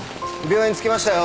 病院着きましたよ。